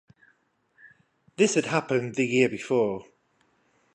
This had happened the year before.